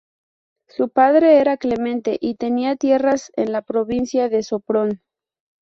Su padre era Clemente, y tenía tierras en la provincia de Sopron.